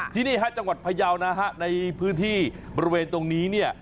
ที่นี่ฮะจังหวัดพยาวนะฮะในพื้นที่บริเวณตรงนี้เนี่ย